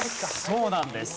そうなんです。